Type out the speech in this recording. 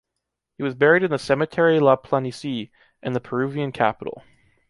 He was buried in the Cemetery La Planicie, in the Peruvian capital.